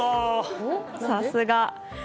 さすが。